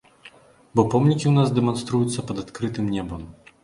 Бо помнікі ў нас дэманструюцца пад адкрытым небам.